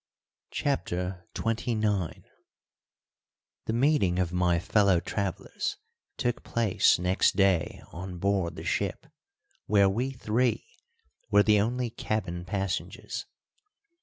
CHAPTER XXIX The meeting of my fellow travellers took place next day on board the ship, where we three were the only cabin passengers.